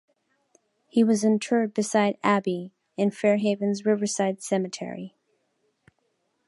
He was interred beside Abbie in Fairhaven's Riverside Cemetery.